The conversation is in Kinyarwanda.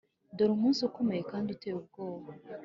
Dore umunsi ukomeye kandi uteye ubwoba!